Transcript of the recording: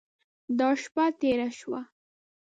دا شپه تېره شوه.